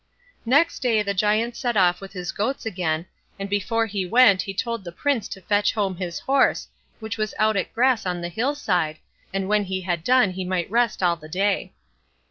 Next day the Giant set off with his goats again, and before he went he told the Prince to fetch home his horse, which was out at grass on the hill side, and when he had done that he might rest all the day.